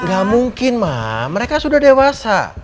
gak mungkin mah mereka sudah dewasa